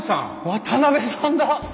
渡さんだ！